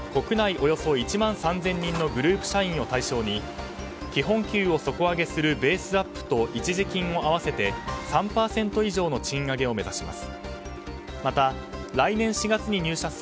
およそ１万３０００人のグループ社員を対象に基本給を底上げするベースアップと一時金を合わせて３％以上の賃上げを目指します。